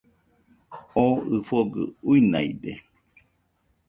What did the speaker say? Oo ɨfogɨ uinaide